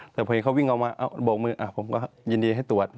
แต่พอเห็นเขาวิ่งออกมาโบกมือผมก็ยินดีให้ตรวจ